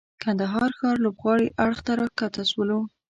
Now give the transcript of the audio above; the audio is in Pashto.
کندهار ښار لوبغالي اړخ ته راکښته سولو.